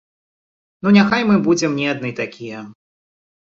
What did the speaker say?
Ну, няхай мы будзем не адны такія.